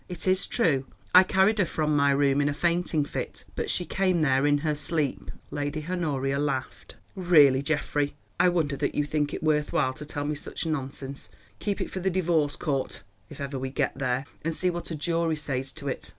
It is true I carried her from my room in a fainting fit, but she came there in her sleep." Lady Honoria laughed. "Really, Geoffrey, I wonder that you think it worth while to tell me such nonsense. Keep it for the divorce court, if ever we get there, and see what a jury says to it.